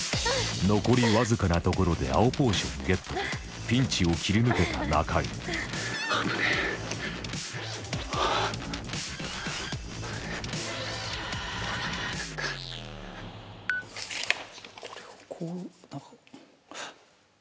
残りわずかなところで青ポーションをゲットピンチを切り抜けた中井これをこう。